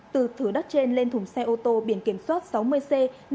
từ thửa đất trên lên thùng xe ô tô biển kiểm soát sáu mươi c năm mươi hai nghìn ba trăm một mươi tám